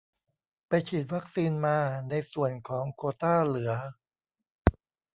ไปฉีดวัคซีนมา ในส่วนของโควต้าเหลือ